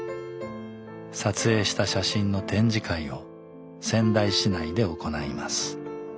撮影した写真の展示会を仙台市内で行います。